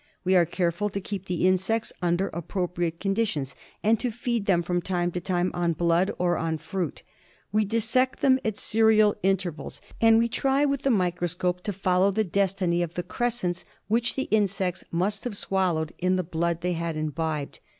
We are careful to keep the insects under appropriate conditions and to feed them from time to time on blood or on fruit. We dissect them at serial intervals, and we MALARIA. 93 try with the microscope to follow the destiny of the cres cents which the insects must have swallowed in the blood they had imbibed.